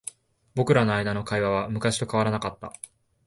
僕らの間の会話は昔と変わらなかった。